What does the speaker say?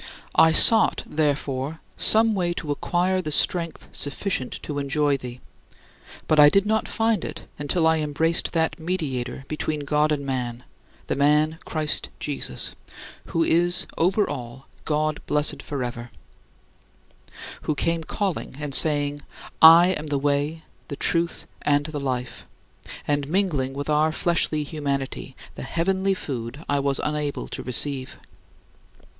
I sought, therefore, some way to acquire the strength sufficient to enjoy thee; but I did not find it until I embraced that "Mediator between God and man, the man Christ Jesus," "who is over all, God blessed forever," who came calling and saying, "I am the way, the truth, and the life," and mingling with our fleshly humanity the heavenly food I was unable to receive.